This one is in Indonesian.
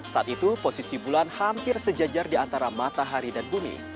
saat itu posisi bulan hampir sejajar di antara matahari dan bumi